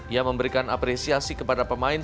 ia memberikan apresiasi kepada pemain